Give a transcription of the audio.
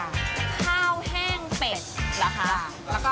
ข้าวแห้งเป็ดเหรอคะ